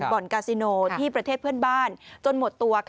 บ่อนกาซิโนที่ประเทศเพื่อนบ้านจนหมดตัว